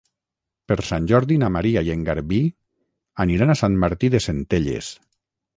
Per Sant Jordi na Maria i en Garbí aniran a Sant Martí de Centelles.